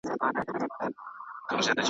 خوله په غاښو ښه ښکاري